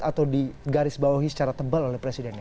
atau digarisbawahi secara tebal oleh presidennya